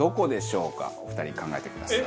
お二人考えてください。